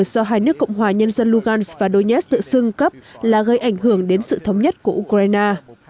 do hai nước cộng hòa nhân dân lugan và donetsk tự xưng cấp là gây ảnh hưởng đến sự thống nhất của ukraine